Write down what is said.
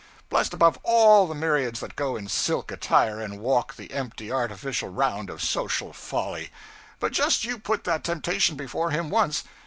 blest above all the myriads that go in silk attire and walk the empty artificial round of social folly but just you put that temptation before him once!